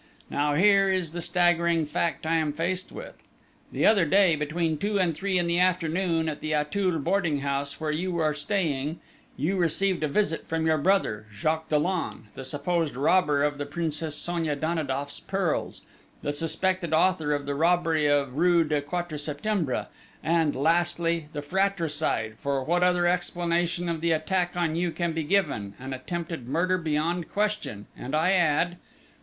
Now here is the staggering fact I am faced with! The other day, between two and three in the afternoon, at the Auteuil boarding house where you are staying, you received a visit from your brother, Jacques Dollon, the supposed robber of the Princess Sonia Danidoff's pearls, the suspected author of the robbery of rue du Quatre Septembre; and, lastly, the fratricide, for what other explanation of the attack on you can be given an attempted murder beyond question and I add